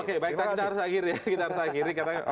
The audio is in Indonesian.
oke baik kita harus akhiri ya